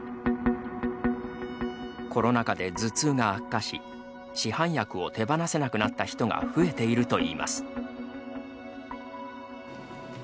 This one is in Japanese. コロナ禍で頭痛が悪化し市販薬を手放せなくなった人が増えているといいます。